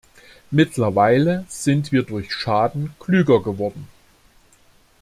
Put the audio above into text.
Mittlerweile sind wir durch Schaden klüger geworden.